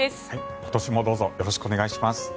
今年もどうぞよろしくお願いします。